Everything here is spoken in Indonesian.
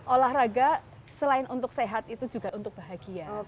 olahraga selain untuk sehat itu juga untuk bahagia